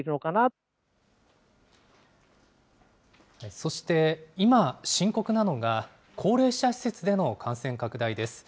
そして、今、深刻なのが、高齢者施設での感染拡大です。